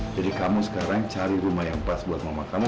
jadi kamu sekarang cari rumah yang pas buat mama kamu